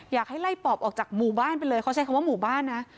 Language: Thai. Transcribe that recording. อยากให้ไล่ปอบออกจากหมู่บ้านไปเลยเขาใช้คำว่าหมู่บ้านนะ